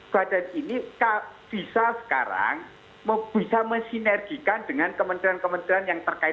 badan ini bisa sekarang bisa mensinergikan dengan kementerian kementerian yang terkait